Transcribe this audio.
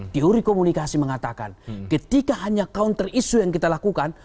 teori komunikasi mengatakan ketika hanya counter isu yang kita lakukan